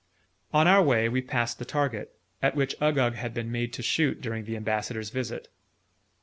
On our way, we passed the target, at which Uggug had been made to shoot during the Ambassador's visit.